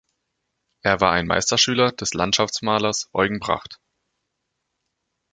Er war ein Meisterschüler des Landschaftsmalers Eugen Bracht.